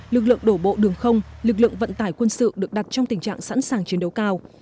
lực lượng đổ bộ đường không lực lượng vận tải quân sự được đặt trong tình trạng sẵn sàng chiến đấu cao